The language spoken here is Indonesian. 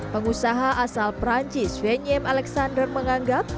pengusaha asal perancis venem alexander menganggap